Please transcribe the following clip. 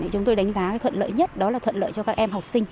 chúng tôi đánh giá thuận lợi nhất đó là thuận lợi cho các em học sinh